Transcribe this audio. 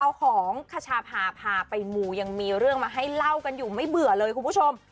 เอาของขชาพาพาไปมูยังมีเรื่องมาให้เล่ากันอยู่ไม่เบื่อเลยคุณผู้ชม